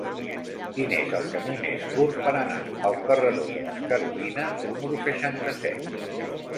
Quin és el camí més curt per anar al carreró de les Carolines número seixanta-set?